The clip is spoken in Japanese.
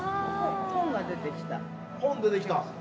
◆本が出てきた。